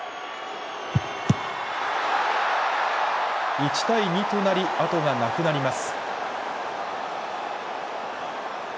１対２となり後がなくなります。